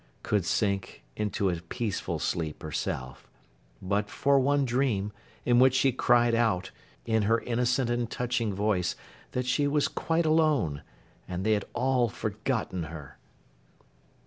Could sink into a peaceful sleep, herself; but for one dream, in which she cried out, in her innocent and touching voice, that she was quite alone, and they had all forgotten her.